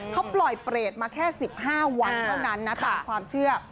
เขาปล่อยเปรตมาแค่๑๕วันเท่านั้นนะตามความเชื่อ